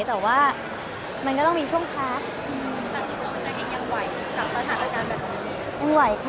แต่ว่ามันก็ต้องมีช่วงพัค